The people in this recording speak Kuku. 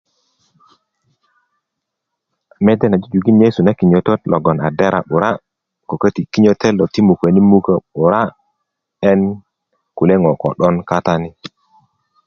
mede na jujukin yesu na kinyotot logon a dera 'bura ko köti ti kinyotot lo ti muköni mukö 'bura en kule ŋo ko 'don katani